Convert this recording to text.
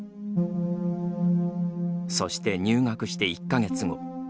そして、入学して１か月後。